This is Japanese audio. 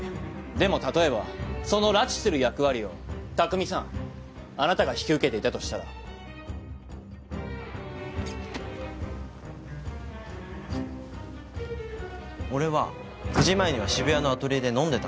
でも例えばその拉致する役割を拓三さんあなたが引き受けていたとしたら？俺は９時前には渋谷のアトリエで飲んでたんだ。